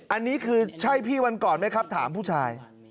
อันนี้คือใช่พี่วันก่อนไหมครับถามผู้ชาย